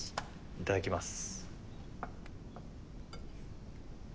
いただきます！